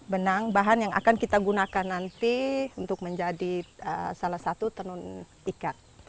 benang bahan yang akan kita gunakan nanti untuk menjadi salah satu tenun ikat